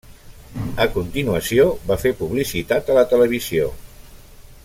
A continuació, va fer publicitat a la televisió.